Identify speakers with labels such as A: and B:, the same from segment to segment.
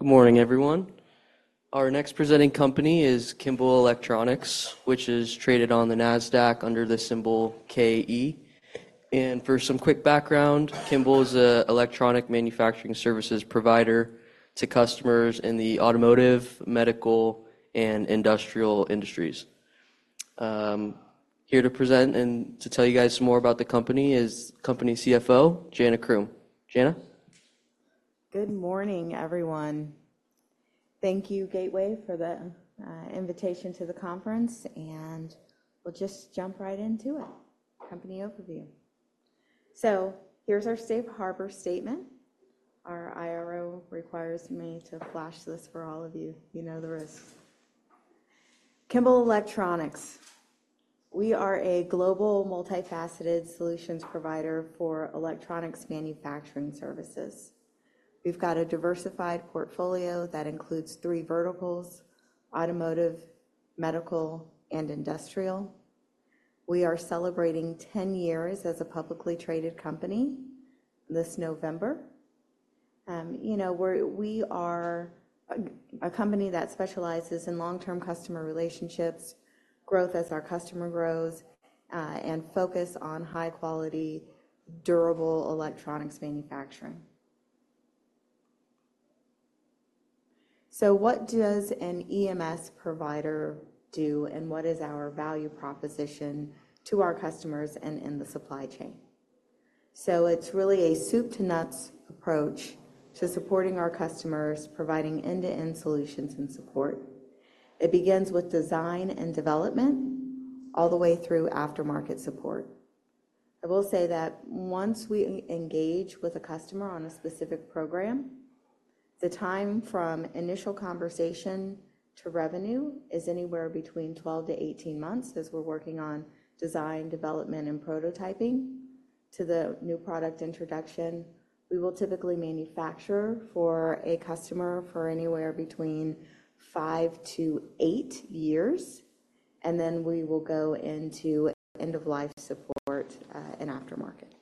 A: Good morning, everyone. Our next presenting company is Kimball Electronics, which is traded on the NASDAQ under the symbol KE. For some quick background, Kimball is an electronic manufacturing services provider to customers in the automotive, medical, and industrial industries. Here to present and to tell you guys some more about the company is company CFO Jana Croom. Jana?
B: Good morning, everyone. Thank you, Gateway, for the invitation to the conference, and we'll just jump right into it. Company overview. So here's our safe harbor statement. Our IRO requires me to flash this for all of you. You know the risks. Kimball Electronics. We are a global, multifaceted solutions provider for electronics manufacturing services. We've got a diversified portfolio that includes three verticals, automotive, medical, and industrial. We are celebrating 10 years as a publicly traded company this November. You know, we are a company that specializes in long-term customer relationships, growth as our customer grows, and focus on high-quality, durable electronics manufacturing. So what does an EMS provider do, and what is our value proposition to our customers and in the supply chain? So it's really a soup to nuts approach to supporting our customers, providing end-to-end solutions and support. It begins with design and development all the way through aftermarket support. I will say that once we engage with a customer on a specific program, the time from initial conversation to revenue is anywhere between 12-18 months, as we're working on design, development, and prototyping to the new product introduction. We will typically manufacture for a customer for anywhere between five to eight years, and then we will go into end-of-life support, and aftermarket.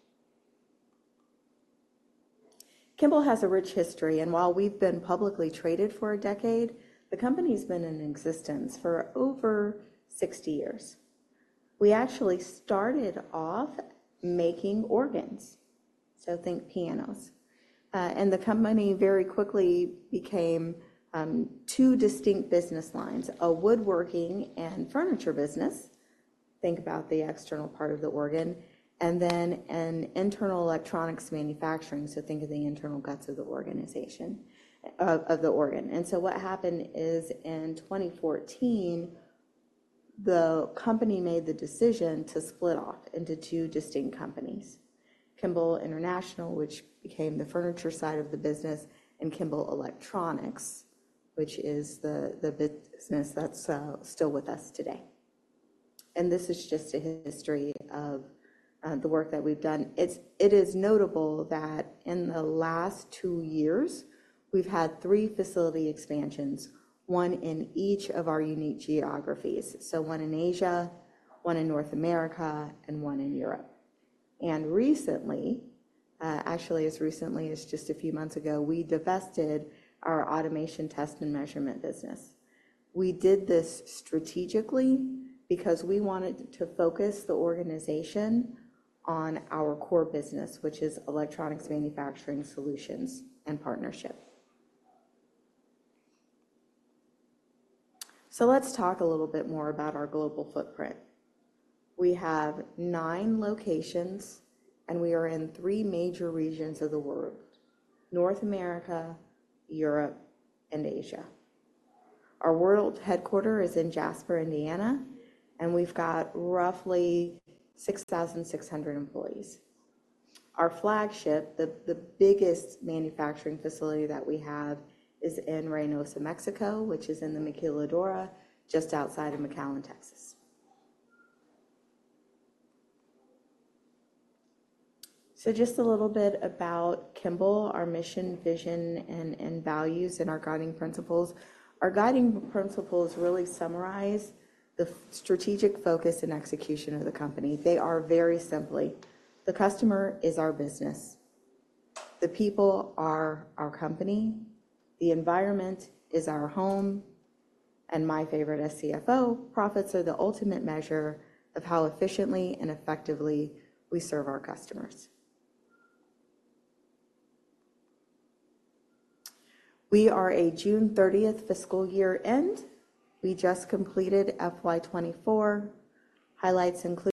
B: Kimball has a rich history, and while we've been publicly traded for a decade, the company's been in existence for over 60 years. We actually started off making organs, so think pianos. And the company very quickly became two distinct business lines, a woodworking and furniture business, think about the external part of the organ, and then an internal electronics manufacturing, so think of the internal guts of the organization of the organ. And so what happened is, in 2014, the company made the decision to split off into two distinct companies, Kimball International, which became the furniture side of the business, and Kimball Electronics, which is the business that's still with us today. And this is just a history of the work that we've done. It is notable that in the last two years, we've had three facility expansions, one in each of our unique geographies, so one in Asia, one in North America, and one in Europe. Recently, actually, as recently as just a few months ago, we divested our automation test and measurement business. We did this strategically because we wanted to focus the organization on our core business, which is electronics manufacturing, solutions, and partnership. So let's talk a little bit more about our global footprint. We have nine locations, and we are in three major regions of the world, North America, Europe, and Asia. Our world headquarters is in Jasper, Indiana, and we've got roughly 6,600 employees. Our flagship, the biggest manufacturing facility that we have is in Reynosa, Mexico, which is in the maquiladora, just outside of McAllen, Texas. So just a little bit about Kimball, our mission, vision, and values, and our guiding principles. Our guiding principles really summarize the strategic focus and execution of the company. They are, very simply, The customer is our business, the people are our company, the environment is our home, and my favorite as CFO, profits are the ultimate measure of how efficiently and effectively we serve our customers. We are a June 30th fiscal year-end. We just completed FY 2024. Highlights include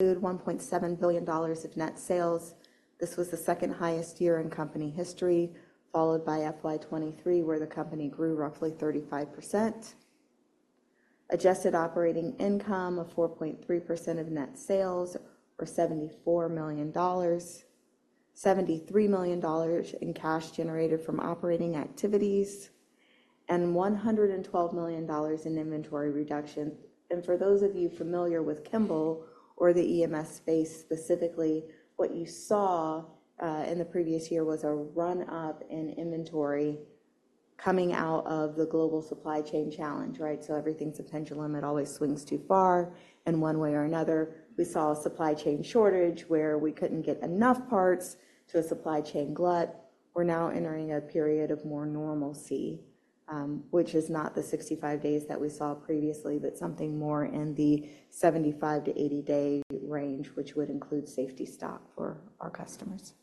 B: $1.7 billion of net sales. This was the second highest year in company history, followed by FY 2023, where the company grew roughly 35%. Adjusted operating income of 4.3% of net sales, or $74 million. $73 million in cash generated from operating activities, and $112 million in inventory reduction. For those of you familiar with Kimball or the EMS space specifically, what you saw in the previous year was a run-up in inventory coming out of the global supply chain challenge, right? So everything's a pendulum. It always swings too far. In one way or another, we saw a supply chain shortage where we couldn't get enough parts to a supply chain glut. We're now entering a period of more normalcy, which is not the 65 days that we saw previously, but something more in the 75-80 day range, which would include safety stock for our customers.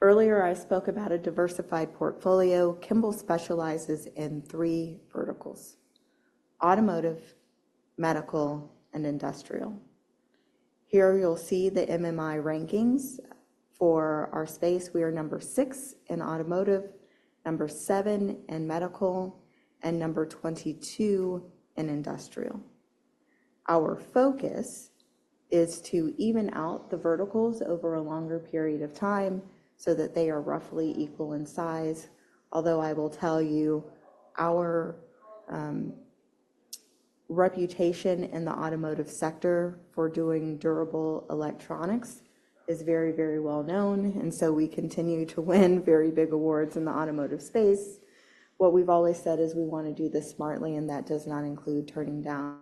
B: Earlier, I spoke about a diversified portfolio. Kimball specializes in three verticals, automotive, medical, and industrial. Here, you'll see the MMI rankings. For our space, we are number six in automotive, number seven in medical, and number 22 in industrial. Our focus is to even out the verticals over a longer period of time so that they are roughly equal in size. Although I will tell you, our reputation in the automotive sector for doing durable electronics is very, very well known, and so we continue to win very big awards in the automotive space. What we've always said is we wanna do this smartly, and that does not include turning down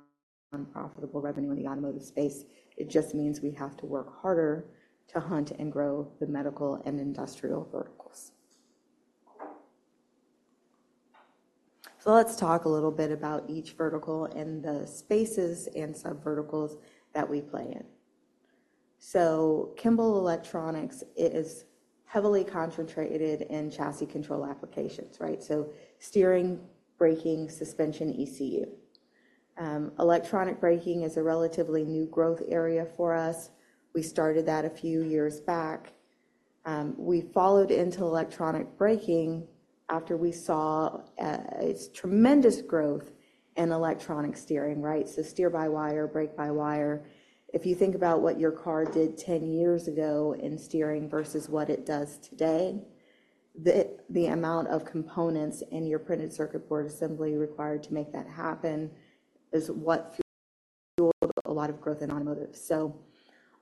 B: unprofitable revenue in the automotive space. It just means we have to work harder to hunt and grow the medical and industrial verticals. So let's talk a little bit about each vertical and the spaces and subverticals that we play in. So Kimball Electronics is heavily concentrated in chassis control applications, right? So steering, braking, suspension, ECU. Electronic braking is a relatively new growth area for us. We started that a few years back. We followed into electronic braking after we saw its tremendous growth in electronic steering, right? So steer-by-wire, brake-by-wire. If you think about what your car did 10 years ago in steering versus what it does today, the amount of components in your printed circuit board assembly required to make that happen is what fueled a lot of growth in automotive. So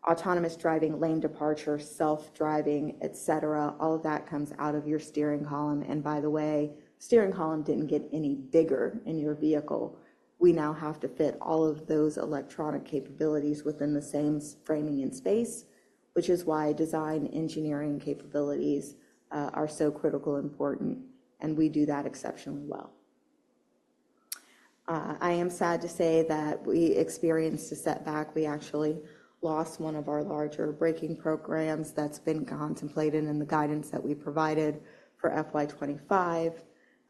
B: autonomous driving, lane departure, self-driving, et cetera, all of that comes out of your steering column. And by the way, the steering column didn't get any bigger in your vehicle. We now have to fit all of those electronic capabilities within the same framing and space, which is why design engineering capabilities are so critical important, and we do that exceptionally well. I am sad to say that we experienced a setback. We actually lost one of our larger braking programs that's been contemplated in the guidance that we provided for FY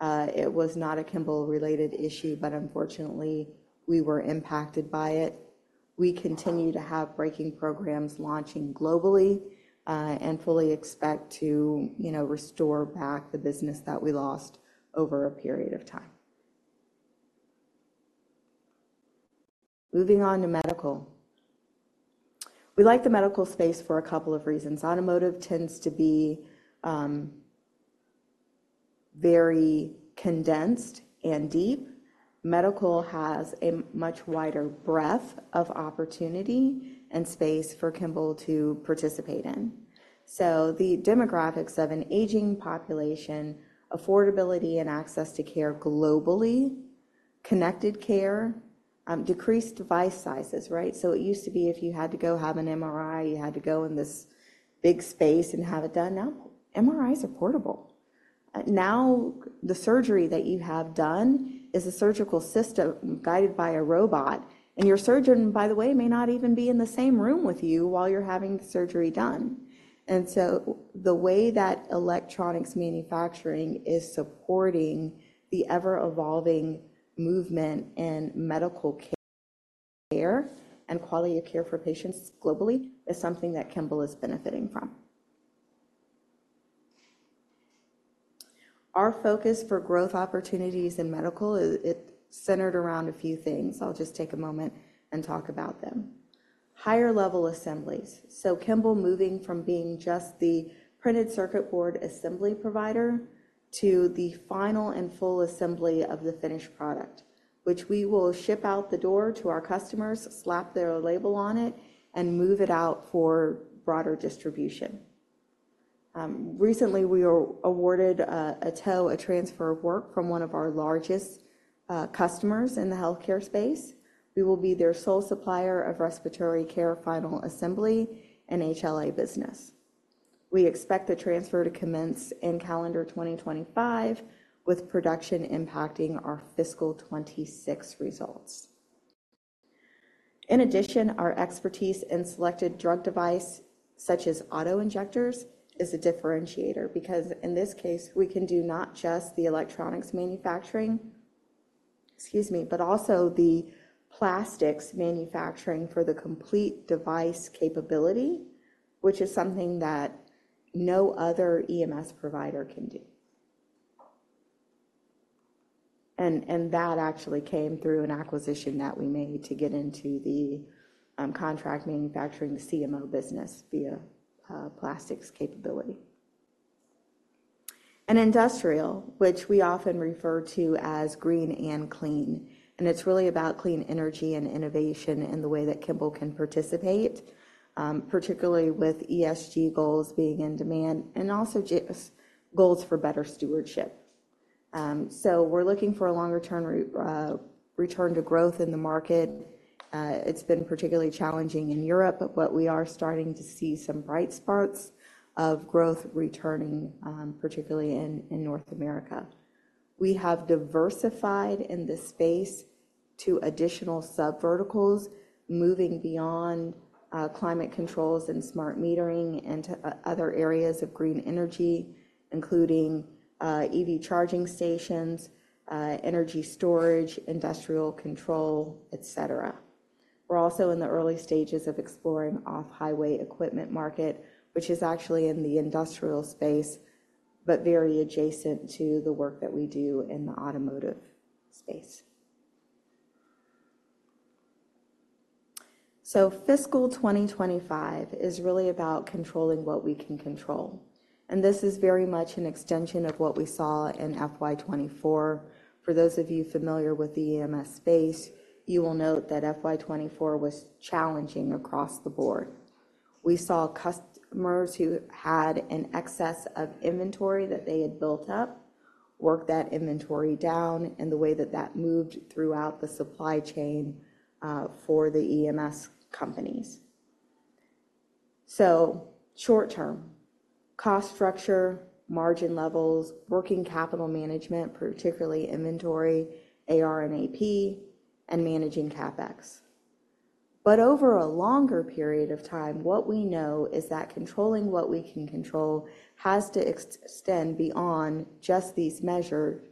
B: 2025. It was not a Kimball-related issue, but unfortunately, we were impacted by it. We continue to have braking programs launching globally, and fully expect to, you know, restore back the business that we lost over a period of time. Moving on to medical. We like the medical space for a couple of reasons. Automotive tends to be very condensed and deep. Medical has a much wider breadth of opportunity and space for Kimball to participate in. So the demographics of an aging population, affordability and access to care globally, connected care, decreased device sizes, right? So it used to be if you had to go have an MRI, you had to go in this big space and have it done. Now, MRIs are portable. Now, the surgery that you have done is a surgical system guided by a robot, and your surgeon, by the way, may not even be in the same room with you while you're having the surgery done. And so the way that electronics manufacturing is supporting the ever-evolving movement in medical care and quality of care for patients globally is something that Kimball is benefiting from. Our focus for growth opportunities in medical is. It centered around a few things. I'll just take a moment and talk about them. Higher-level assemblies. So Kimball moving from being just the printed circuit board assembly provider to the final and full assembly of the finished product, which we will ship out the door to our customers, slap their label on it, and move it out for broader distribution. Recently, we were awarded a TOW, a transfer of work, from one of our largest customers in the healthcare space. We will be their sole supplier of respiratory care, final assembly, and HLA business. We expect the transfer to commence in calendar 2025, with production impacting our fiscal 2026 results. In addition, our expertise in selected drug device, such as auto-injectors, is a differentiator because, in this case, we can do not just the electronics manufacturing, excuse me, but also the plastics manufacturing for the complete device capability, which is something that no other EMS provider can do. And that actually came through an acquisition that we made to get into the contract manufacturing, the CMO business via plastics capability. And industrial, which we often refer to as green and clean, and it's really about clean energy and innovation in the way that Kimball can participate, particularly with ESG goals being in demand and also just goals for better stewardship. So we're looking for a longer-term return to growth in the market. It's been particularly challenging in Europe, but we are starting to see some bright spots of growth returning, particularly in North America. We have diversified in this space to additional subverticals, moving beyond climate controls and smart metering into other areas of green energy, including EV charging stations, energy storage, industrial control, et cetera. We're also in the early stages of exploring off-highway equipment market, which is actually in the industrial space, but very adjacent to the work that we do in the automotive space. Fiscal 2025 is really about controlling what we can control, and this is very much an extension of what we saw in FY 2024. For those of you familiar with the EMS space, you will note that FY 2024 was challenging across the board. We saw customers who had an excess of inventory that they had built up, work that inventory down, and the way that that moved throughout the supply chain for the EMS companies. Short term, cost structure, margin levels, working capital management, particularly inventory, AR and AP, and managing CapEx. But over a longer period of time, what we know is that controlling what we can control has to extend beyond just these measures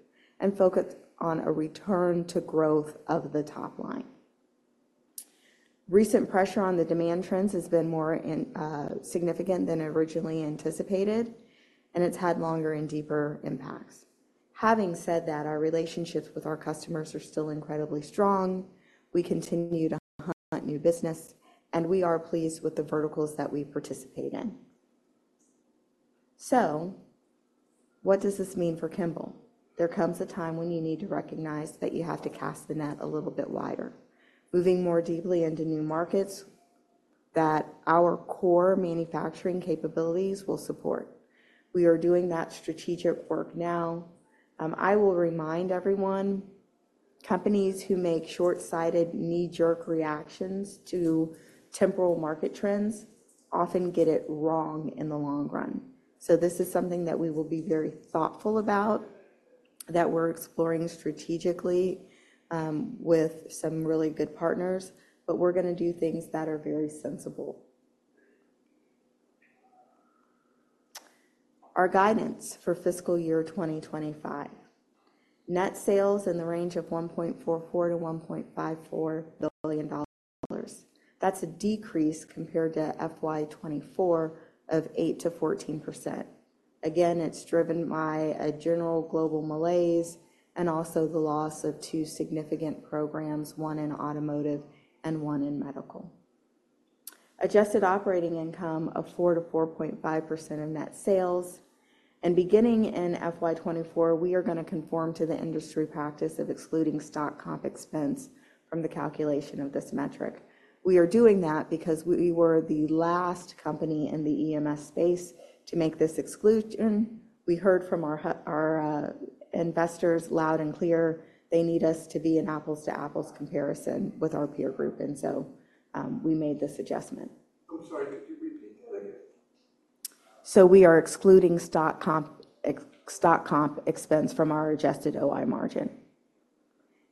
B: and focus on a return to growth of the top line. Recent pressure on the demand trends has been more significant than originally anticipated, and it's had longer and deeper impacts. Having said that, our relationships with our customers are still incredibly strong. We continue to hunt new business, and we are pleased with the verticals that we participate in. So what does this mean for Kimball? There comes a time when you need to recognize that you have to cast the net a little bit wider, moving more deeply into new markets that our core manufacturing capabilities will support. We are doing that strategic work now. I will remind everyone, companies who make short-sighted, knee-jerk reactions to temporal market trends often get it wrong in the long run. So this is something that we will be very thoughtful about, that we're exploring strategically, with some really good partners, but we're gonna do things that are very sensible. Our guidance for fiscal year 2025. Net sales in the range of $1.44 billion-$1.54 billion. That's a decrease compared to FY 2024 of 8%-14%. Again, it's driven by a general global malaise and also the loss of two significant programs, one in automotive and one in medical. Adjusted operating income of 4%-4.5% of net sales, and beginning in FY 2024, we are gonna conform to the industry practice of excluding stock comp expense from the calculation of this metric. We are doing that because we were the last company in the EMS space to make this exclusion. We heard from our investors loud and clear, they need us to be an apples-to-apples comparison with our peer group. And so, we made this adjustment. I'm sorry, could you repeat that again? So we are excluding stock comp expense from our adjusted OI margin,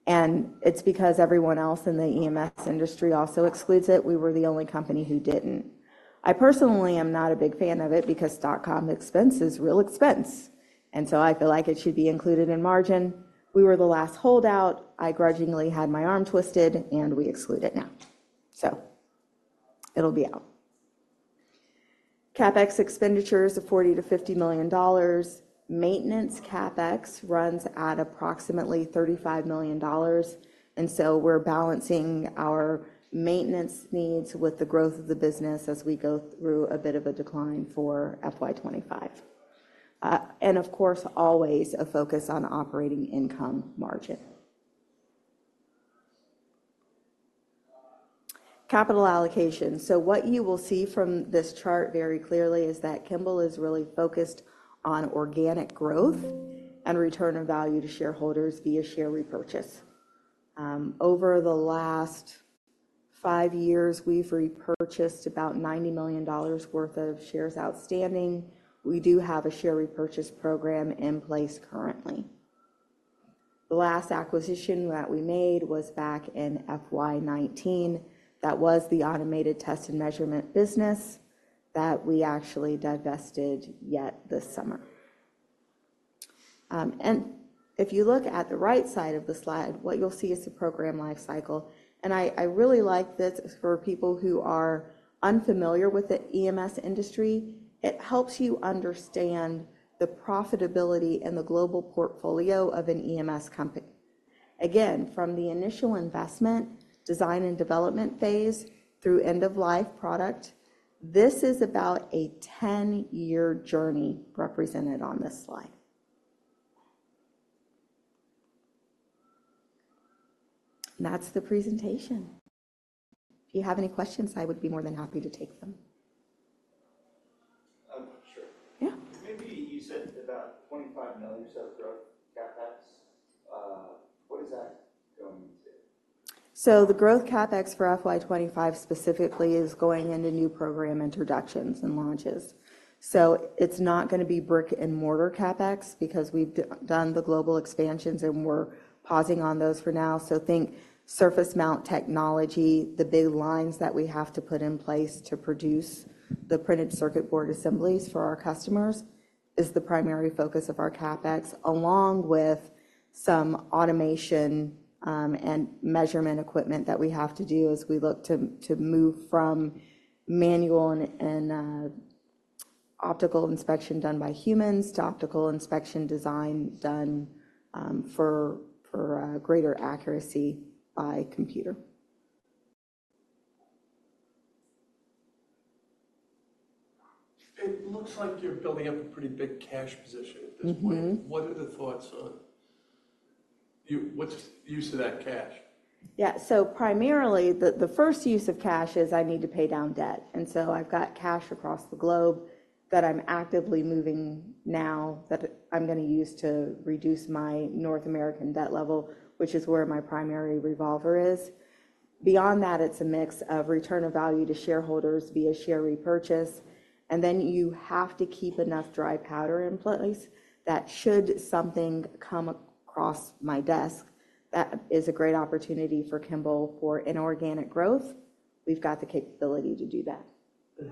B: and it's because everyone else in the EMS industry also excludes it. We were the only company who didn't. I personally am not a big fan of it because stock comp expense is real expense, and so I feel like it should be included in margin. We were the last holdout. I grudgingly had my arm twisted, and we exclude it now. So it'll be out. CapEx expenditures of $40 million-$50 million. Maintenance CapEx runs at approximately $35 million, and so we're balancing our maintenance needs with the growth of the business as we go through a bit of a decline for FY 2025. And of course, always a focus on operating income margin. Capital allocation. So what you will see from this chart very clearly is that Kimball is really focused on organic growth and return of value to shareholders via share repurchase. Over the last five years, we've repurchased about $90 million worth of shares outstanding. We do have a share repurchase program in place currently. The last acquisition that we made was back in FY 2019. That was the automated test and measurement business that we actually divested yet this summer. And if you look at the right side of the slide, what you'll see is the program life cycle, and I really like this. For people who are unfamiliar with the EMS industry, it helps you understand the profitability and the global portfolio of an EMS company. Again, from the initial investment, design and development phase, through end-of-life product, this is about a 10-year journey represented on this slide. That's the presentation. If you have any questions, I would be more than happy to take them. Um, sure. Yeah. Maybe you said about $25 million of growth CapEx. What is that going to? So the growth CapEx for FY 2025 specifically is going into new program introductions and launches. So it's not gonna be brick-and-mortar CapEx because we've done the global expansions, and we're pausing on those for now. So think surface mount technology, the big lines that we have to put in place to produce the printed circuit board assemblies for our customers, is the primary focus of our CapEx, along with some automation, and measurement equipment that we have to do as we look to move from manual and optical inspection done by humans to optical inspection design done, for greater accuracy by computer. It looks like you're building up a pretty big cash position at this point. Mm-hmm. What are the thoughts on what's the use of that cash? Yeah, so primarily, the first use of cash is I need to pay down debt, and so I've got cash across the globe that I'm actively moving now, that I'm gonna use to reduce my North American debt level, which is where my primary revolver is. Beyond that, it's a mix of return of value to shareholders via share repurchase, and then you have to keep enough dry powder in place that should something come across my desk, that is a great opportunity for Kimball for inorganic growth. We've got the capability to do that.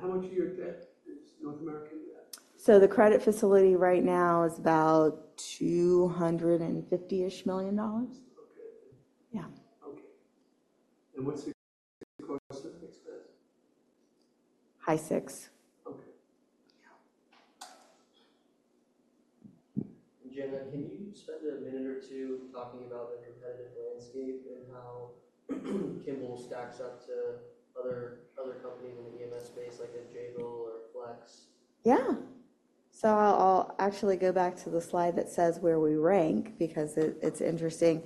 B: How much of your debt is North American debt? So the credit facility right now is about $250-ish million. Okay. Yeah. Okay. What's your interest expense? High six. Okay. Yeah. Jana, can you spend a minute or two talking about the competitive landscape and how Kimball stacks up to other companies in the EMS space, like a Jabil or Flex? Yeah. So I'll actually go back to the slide that says where we rank because it's interesting.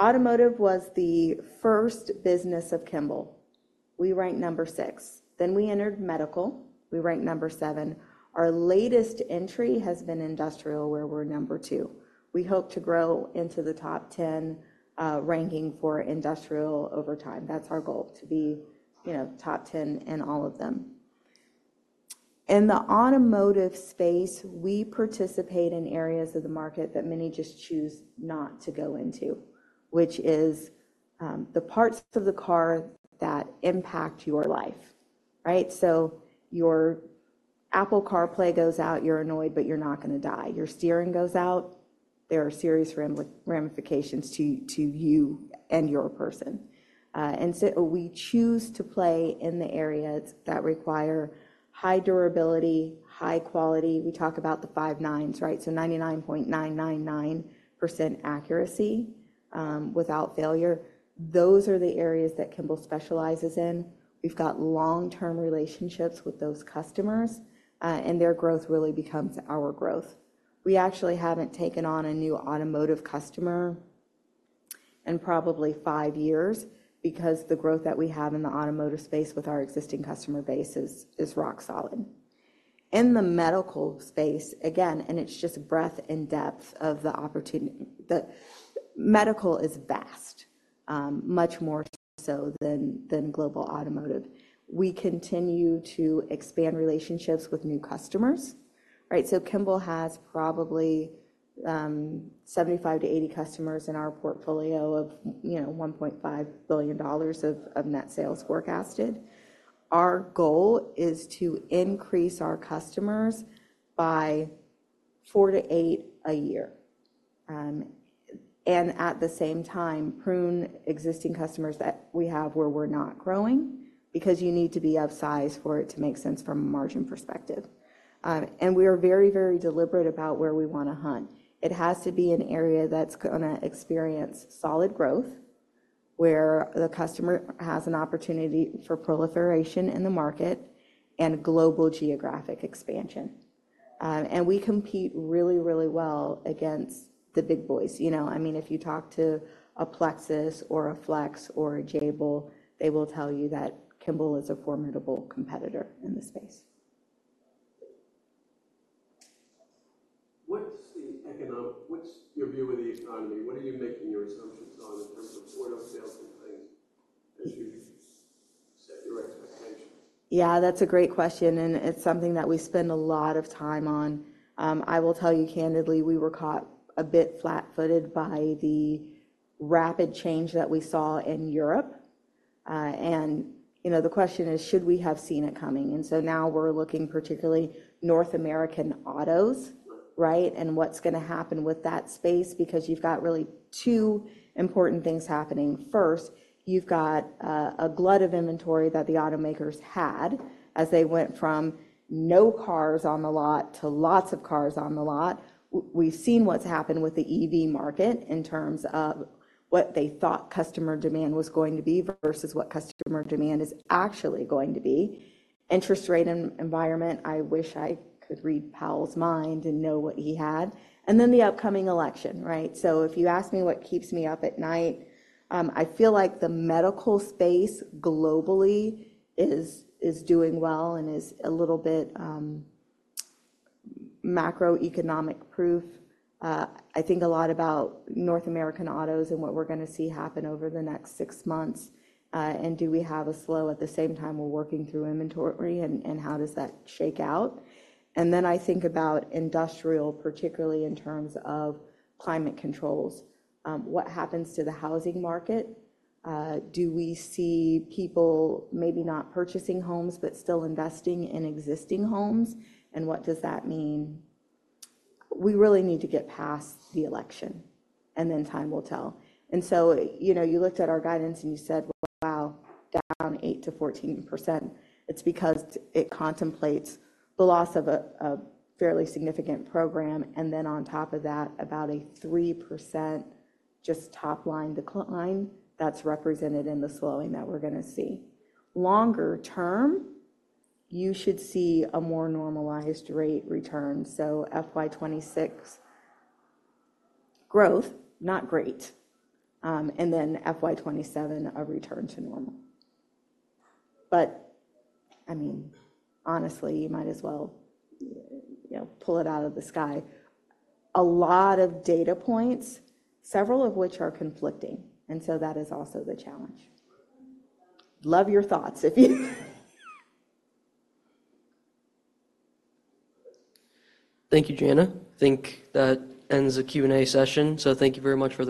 B: Automotive was the first business of Kimball. We rank number six. Then we entered medical. We rank number seven. Our latest entry has been industrial, where we're number two. We hope to grow into the top 10 ranking for industrial over time. That's our goal, to be, you know, top 10 in all of them. In the automotive space, we participate in areas of the market that many just choose not to go into, which is the parts of the car that impact your life, right? So your Apple CarPlay goes out, you're annoyed, but you're not gonna die. Your steering goes out, there are serious ramifications to you and your person. And so we choose to play in the areas that require high durability, high quality. We talk about the five nines, right? So 99.999% accuracy, without failure. Those are the areas that Kimball specializes in. We've got long-term relationships with those customers, and their growth really becomes our growth. We actually haven't taken on a new automotive customer in probably five years because the growth that we have in the automotive space with our existing customer base is rock solid. In the medical space, again, and it's just breadth and depth of the opportunity. The medical is vast, much more so than global automotive. We continue to expand relationships with new customers. Right, so Kimball has probably 75-80 customers in our portfolio of, you know, $1.5 billion of net sales forecasted. Our goal is to increase our customers by four to eight a year, and at the same time, prune existing customers that we have where we're not growing because you need to be of size for it to make sense from a margin perspective, and we are very, very deliberate about where we wanna hunt. It has to be an area that's gonna experience solid growth, where the customer has an opportunity for proliferation in the market and global geographic expansion, and we compete really, really well against the big boys. You know, I mean, if you talk to a Plexus or a Flex or a Jabil, they will tell you that Kimball is a formidable competitor in the space. What's your view of the economy? What are you making your assumptions on in terms of order sales and things as you set your expectations? Yeah, that's a great question, and it's something that we spend a lot of time on. I will tell you candidly, we were caught a bit flat-footed by the rapid change that we saw in Europe, and you know, the question is, Should we have seen it coming, and so now we're looking particularly North American autos, right, and what's gonna happen with that space because you've got really two important things happening. First, you've got a glut of inventory that the automakers had as they went from no cars on the lot to lots of cars on the lot. We've seen what's happened with the EV market in terms of what they thought customer demand was going to be versus what customer demand is actually going to be. Interest rate environment, I wish I could read Powell's mind and know what he had, and then the upcoming election, right? So if you ask me what keeps me up at night, I feel like the medical space globally is doing well and is a little bit macroeconomic proof. I think a lot about North American autos and what we're gonna see happen over the next six months, and do we have a slow at the same time we're working through inventory, and how does that shake out? And then I think about industrial, particularly in terms of climate controls. What happens to the housing market? Do we see people maybe not purchasing homes, but still investing in existing homes? And what does that mean? We really need to get past the election, and then time will tell. And so, you know, you looked at our guidance, and you said, Wow, down 8%-14%. It's because it contemplates the loss of a fairly significant program, and then on top of that, about a 3% just top-line decline that's represented in the slowing that we're gonna see. Longer term, you should see a more normalized rate return, so FY 2026, growth, not great, and then FY 2027, a return to normal. But, I mean, honestly, you might as well, you know, pull it out of the sky. A lot of data points, several of which are conflicting, and so that is also the challenge. Love your thoughts if you.
A: Thank you, Jana. I think that ends the Q&A session, so thank you very much for.